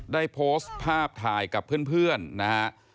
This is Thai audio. ได้โพสต์ภาพถ่ายกับเพื่อนนะฮะ